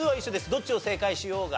どっちを正解しようが。